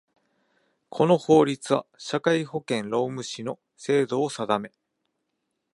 この法律は、社会保険労務士の制度を定め